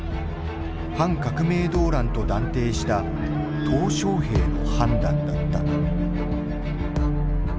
反革命動乱と断定した小平の判断だった。